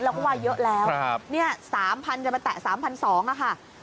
ก็ว่าเยอะแล้วครับเนี่ยสามพันจะมาแตะสามพันสองอ่ะค่ะ